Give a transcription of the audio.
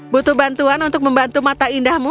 butuh bantuan untuk membantu mata indahmu